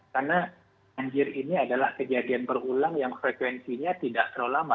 karena banjir ini adalah kejadian berulang yang frekuensinya tidak terlalu lama